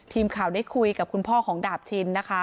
ทีมข่าวได้คุยกับคุณพ่อของดาบชินนะคะ